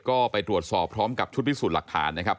ก็ไปตรวจสอบพร้อมกับชุดพิสูจน์หลักฐานนะครับ